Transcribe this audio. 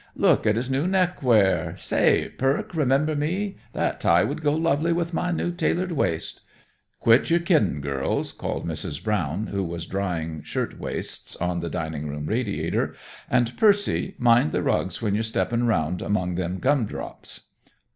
"Look at his new neckwear! Say, Perc', remember me. That tie would go lovely with my new tailored waist." "Quit your kiddin', girls!" called Mrs. Brown, who was drying shirt waists on the dining room radiator. "And, Percy, mind the rugs when you're steppin' round among them gum drops."